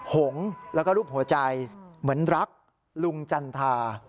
หงแล้วก็รูปหัวใจเหมือนรักลุงจันทรา